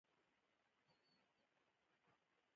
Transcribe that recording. د افغانستان د اقتصادي پرمختګ لپاره پکار ده چې تهمت ونکړو.